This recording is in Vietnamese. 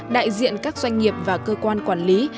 đại diện các doanh nghiệp và cơ quan quản lý